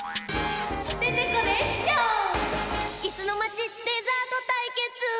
「いすのまちデザートたいけつ」！